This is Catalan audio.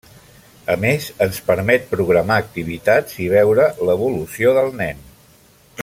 A més, ens permet programar activitats i veure l’evolució del nen.